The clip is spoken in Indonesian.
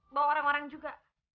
bawa orang orang juga